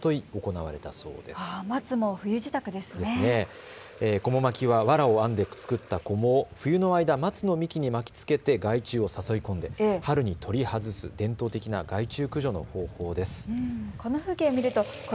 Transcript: わらを編んで作ったこもを冬の間、松の幹に巻きつけて害虫を誘い込み春に取り外す伝統的な害虫の駆除の方法です。